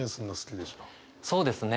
そうですね